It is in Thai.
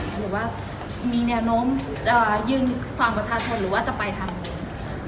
หรือว่ามีแนวโน้มจะยืนฟังประชาชนหรือว่าจะไปทางไหน